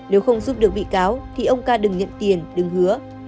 nếu không giúp được bị cáo thì ông ca đừng nhận tiền đứng hứa